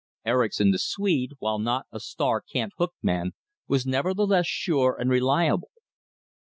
Erickson, the Swede, while not a star cant hook man, was nevertheless sure and reliable.